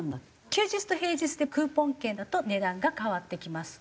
休日と平日でクーポン券だと値段が変わってきます。